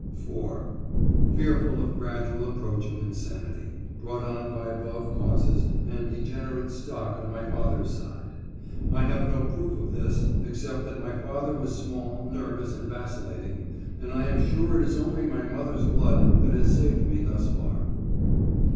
(4) Fearful of gradual approach of insanity, brought on by above causes, and degenerate stock on my father's side. I have no proof of this, except fact that my father was small, nervous, and vacillating, and I am sure it is only my mother's blood that has saved me thus far.